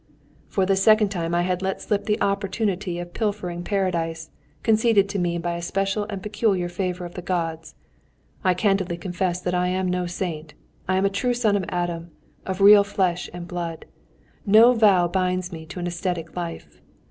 For the second time I had let slip the opportunity of pilfering Paradise, conceded to me by a special and peculiar favour of the gods. I candidly confess that I am no saint.... I am a true son of Adam, of real flesh and blood. No vow binds me to an ascetic life.